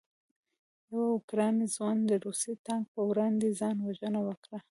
یو اوکراني ځوان د روسي ټانک په وړاندې ځان وژنه وکړه.